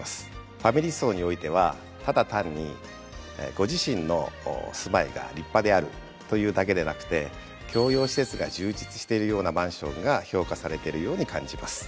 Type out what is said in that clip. ファミリー層においてはただ単にご自身の住まいが立派であるというだけでなくて共用施設が充実しているようなマンションが評価されてるように感じます。